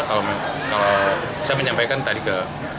kalau saya menyampaikan tadi ke